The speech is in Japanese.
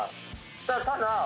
ただ。